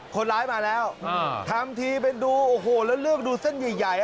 คนร้ายมาแล้วทำทีเป็นดูโอ้โหแล้วเลือกดูเส้นใหญ่